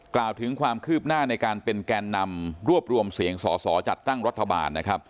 กล่าวถึงความคืบหน้าในการเป็นแกนนำรวบรวมเสียงสอสอจัดตั้งรัฐบาลนะครับ